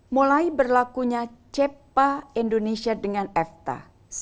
mulai berlakunya cepa indonesia dengan efta